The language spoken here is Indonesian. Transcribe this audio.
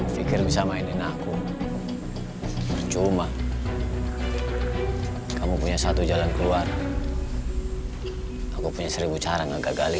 pikir bisa mainin aku percuma kamu punya satu jalan keluar aku punya seribu cara enggak gali